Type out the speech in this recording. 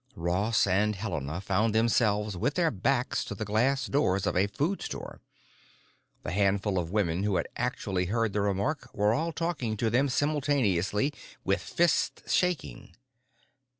Ross and Helena found themselves with their backs to the glass doors of a food store. The handful of women who had actually heard the remark were all talking to them simultaneously, with fist shaking.